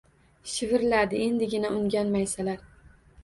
Shivirladi endigina ungan maysalar.